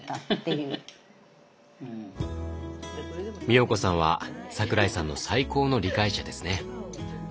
みおこさんは桜井さんの最高の理解者ですね。